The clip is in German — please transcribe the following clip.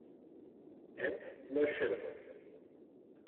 App löschen.